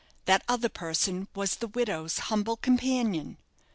That other person was the widow's humble companion.